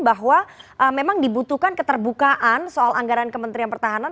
bahwa memang dibutuhkan keterbukaan soal anggaran kementerian pertahanan